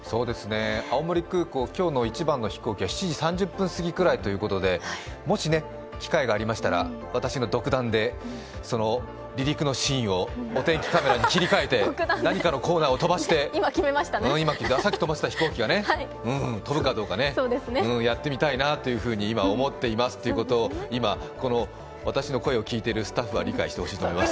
青森空港、今日の一番の飛行機は７時３０分過ぎということでもし機会がありましたら、私の独断で、離陸のシーンをお天気カメラに切り替えて、何かのコーナーを飛ばしてさっきとまっていた飛行機が飛ぶかやってみたいなというふうに今思っていますということを今、この私の声を聞いているスタッフは理解してほしいと思います。